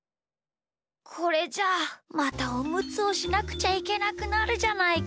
これじゃあまたおむつをしなくちゃいけなくなるじゃないか。